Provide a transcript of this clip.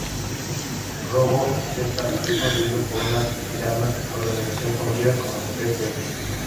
Robo-Z fue construido por una tirana organización conocida como "Secreto X".